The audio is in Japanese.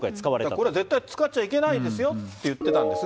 これ絶対使っちゃいけないですよって言ってたんですが。